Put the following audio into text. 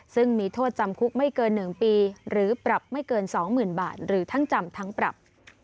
ซึ่งมีโทษจำคุกไม่เกิน๑ปีหรือปรับไม่เกิน๒๐๐๐บาทหรือทั้งจำทั้งปรับ